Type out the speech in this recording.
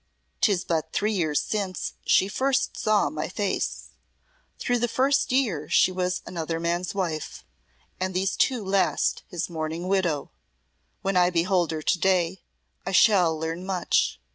"'Tis but three years since she first saw my face; through the first year she was another man's wife, and these two last his mourning widow. When I behold her to day I shall learn much."